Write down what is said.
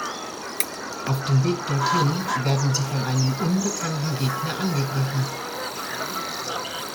Auf den Weg dorthin werden sie von einem unbekannten Gegner angegriffen.